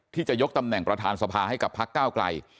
ที่จะยกตำแหน่งสาภาให้กับพรรคเก้าไกล